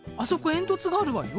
煙突があるわよ。